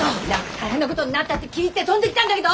大変なことになったって聞いて飛んできたんだけど！